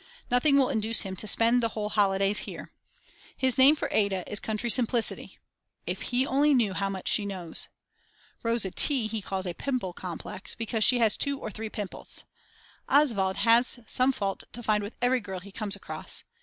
Nothing will induce him to spend the whole holidays here. His name for Ada is: "Country Simplicity." If he only knew how much she knows. Rosa T. he calls a "Pimple Complex" because she has two or three pimples. Oswald has some fault to find with every girl he comes across.